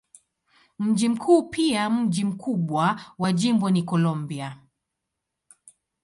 Mji mkuu pia mji mkubwa wa jimbo ni Columbia.